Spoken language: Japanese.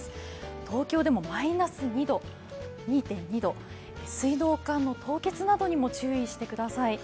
東京でもマイナス２．２度、水道管の凍結などにも注意してください。